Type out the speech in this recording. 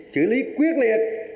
xử lý quyết liệt